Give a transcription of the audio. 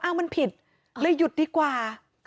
มันผิดเลยหยุดดีกว่า